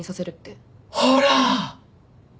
ほら！